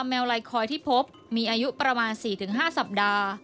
แมวไลคอยที่พบมีอายุประมาณ๔๕สัปดาห์